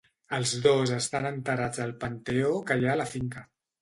Els dos estan enterrats al panteó que hi ha a la finca.